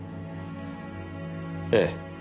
ええ。